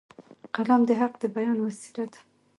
قلم د حق د بیان وسیله ده